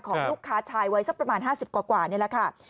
ของลูกค้าชายวัยสักประมาณ๕๐กว่านี่แหละค่ะ